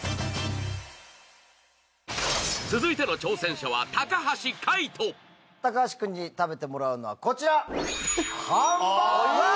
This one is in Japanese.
続いての挑戦者は橋君に食べてもらうのはこちら！